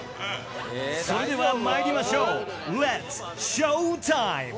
それではまいりましょうレッツショータイム！